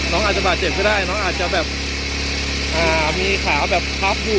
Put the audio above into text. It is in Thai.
น้องอาจจะบาดเจ็บก็ได้น้องอาจจะแบบมีขาแบบพับอยู่